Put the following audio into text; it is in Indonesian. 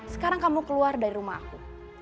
sekarang kamu keluar dari rumah aku